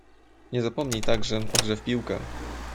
"Nie zapomnij także o grze w piłkę."